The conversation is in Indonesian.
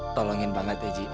tolongin banget ya ji